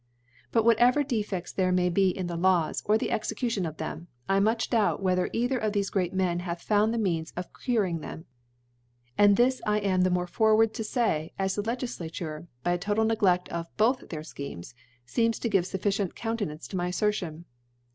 But whatever Defefts there may be in the Laws, or in the Execuii'on of ihcm, I much doubt doubt whether either of thefe great Men hath found the Means of curing them. And this I am the more forward to fay, as the Legiflature, by a total Negleft of both their Schemes, feem to give fufficient Counte nance to my Affertion.